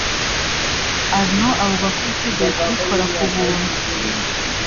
arnaud avuga ko yiteguye kubikora ku buntu